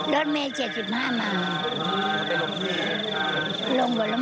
ก็นั่งจากหัวลำโพงมาบุรีรัม